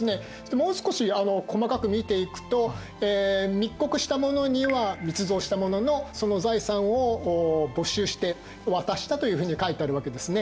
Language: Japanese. もう少し細かく見ていくと「密告した者には密造した者のその財産を没収して渡した」というふうに書いてあるわけですね。